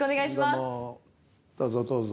どうぞどうぞ。